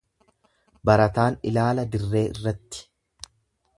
Barataan ilaala dirree irratti.